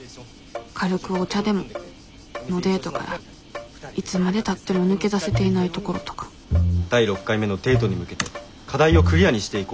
軽くお茶でものデートからいつまでたっても抜け出せていないところとか第６回目のデートに向けて課題をクリアにしていこうと思います。